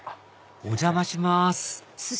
お邪魔します